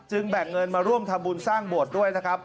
แบ่งเงินมาร่วมทำบุญสร้างโบสถ์ด้วยนะครับ